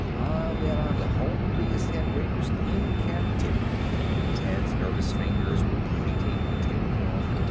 I'll bet I'm the homeliest head waitress in captivity." Ted's nervous fingers were pleating the tablecloth.